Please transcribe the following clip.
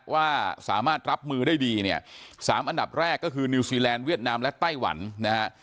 ว่าสามารถรับมือได้ดีเนี่ย๓อันดับแรกก็คือนิวซีแลนดเวียดนามและไต้หวันนะฮะ